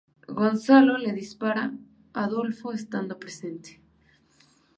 Gonzalo le dispara, Adolfo estando presente.